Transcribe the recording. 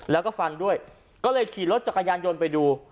แล้วก็ฟันด้วยก็เลยขี่รถจักรยานยนต์ไปดู